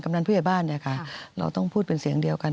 กำลังผู้หญิงบ้านนี่ค่ะ